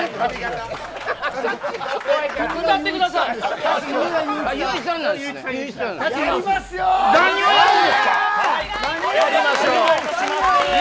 歌ってください。